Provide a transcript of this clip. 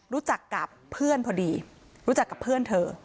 รู้จักกับเพื่อนพอดีรู้จักกับเพื่อนเธอ